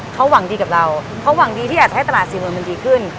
เขาหวังดีกับเราเขาหวังดีที่อยากจะให้ตลาดสี่หมื่นมันดีขึ้น